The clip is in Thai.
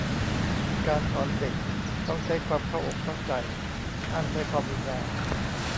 การสอนเด็กต้องใช้ความเข้าอกเข้าใจ ห้ามใช้ความรุนแรง